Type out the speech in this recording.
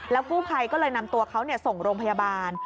แล้วผู้ไพรก็เลยนำตัวเขาส่งโรงพยาบาล